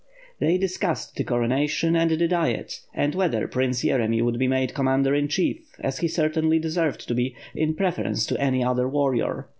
They discussed the coronation, and the Diet, and whether Prince Yeremy would be made commander in chief, as he certainly deserved to be, in preference to any other warrior.